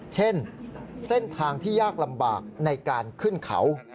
เช่นเส้นทางที่ยากลำบากในการขึ้นเขา